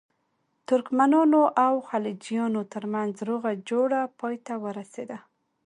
ترکمنانو او خلجیانو ترمنځ روغه جوړه پای ته ورسېده.